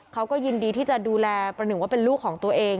เขาก็ยินดีที่จะดูแลประหนึ่งว่าเป็นลูกของตัวเอง